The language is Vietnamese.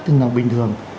thường thường bình thường